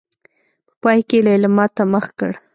په پای کې يې ليلما ته مخ کړ.